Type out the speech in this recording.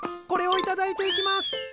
これを頂いていきます！